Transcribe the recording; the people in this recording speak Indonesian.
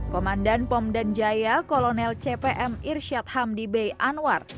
komandan pom danjaya kolonel cpm irsyad hamdi bey anwar